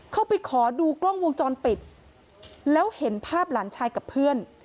เข้าไปขอดูกล้องวงจรปิดแล้วเห็นภาพหลานชายกับเพื่อน